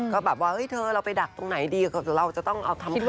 ก็แบบว่าเฮ้ยเธอเราไปดักตรงไหนดีเราจะต้องเอาทำอะไร